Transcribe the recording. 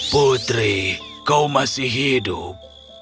putri kau masih hidup